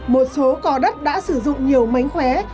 một số cò đất đã sử dụng nhiều mánh khóe